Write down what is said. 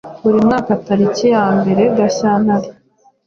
Buri mwaka tariki ya mbere Gashyantare,